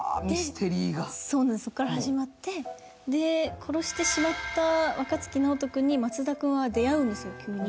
そこから始まって、殺してしまった若槻ナオト君に松田君は出会うんですよ。